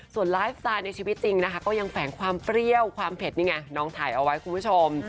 ส่วนไลฟ์สไตล์ในชีวิตจริงนะคะก็ยังแฝงความเปรี้ยวความเผ็ดนี่ไงน้องถ่ายเอาไว้คุณผู้ชม